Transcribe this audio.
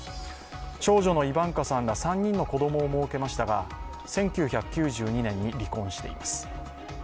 長女のイヴァンカさんら３人の子供をもうけましたが１９９２年に離婚しています。